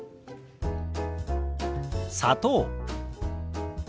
「砂糖」。